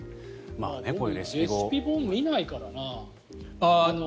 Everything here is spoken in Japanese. レシピ本、見ないからな。